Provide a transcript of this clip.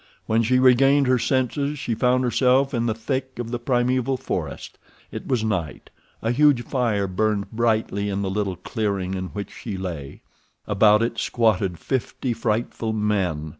When she regained her senses she found herself in the thick of the primeval forest. It was night. A huge fire burned brightly in the little clearing in which she lay. About it squatted fifty frightful men.